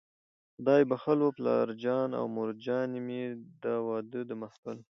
خدای بښلو پلارجان او مورجانې مې، د واده د محفل